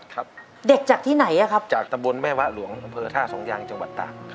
ครับเด็กจากที่ไหนครับจากตำบลแม่วะหลวงอำเภอท่าสองยางจังหวัดตาก